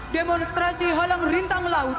demonstrasi halang rintang laut